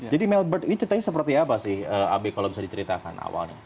jadi mailbird ini ceritanya seperti apa sih abe kalau bisa diceritakan awalnya